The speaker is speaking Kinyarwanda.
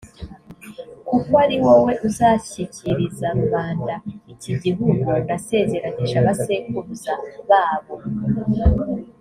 kuko ari wowe uzashyikiriza rubanda iki gihugu nasezeranije abasekuruza babo